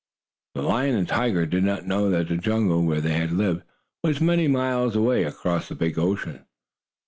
The lion and tiger did not know that the jungle, where they had lived, was many miles away, across the big ocean.